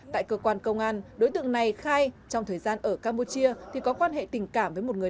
tại cơ quan công an đối tượng này khai trong thời gian ở campuchia thì có quan hệ tình cảm với một người